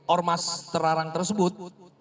ormas terlarang tersebut